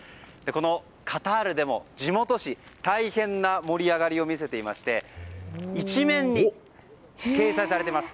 このカタールでも地元紙、大変な盛り上がりを見せていまして１面に掲載されています。